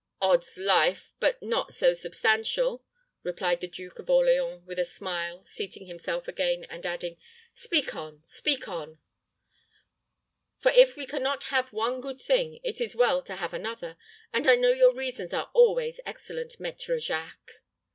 "Odd's life, but not so substantial," replied the Duke of Orleans, with a smile, seating himself again, and adding, "speak on, speak on; for if we can not have one good thing, it is well to have another; and I know your reasons are always excellent, Maître Jacques."